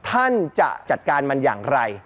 ท่านจะจัดการมันอย่างไร